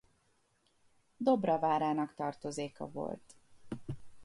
Dobra várának tartozéka volt.